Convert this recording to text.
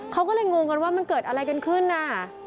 เขาก็เลยงงกันว่ามันเกิดอะไรกันขึ้นน่ะ